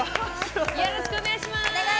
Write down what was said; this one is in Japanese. よろしくお願いします